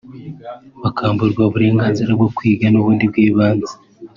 bakamburwa uburenganzira bwo kwiga n’ubundi bw’ibanze